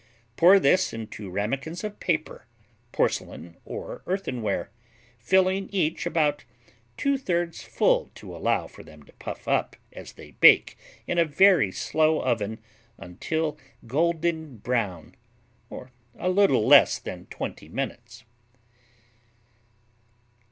Pour this into ramekins of paper, porcelain or earthenware, filling each about 2/3 full to allow for them to puff up as they bake in a very slow oven until golden brown (or a little less than 20 minutes).